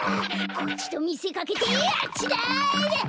こっちとみせかけてあっちだ！